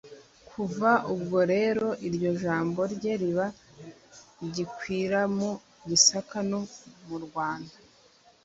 Kuva ubwo rero iryo jambo rye riba gikwira mu Gisaka no mu Rwanda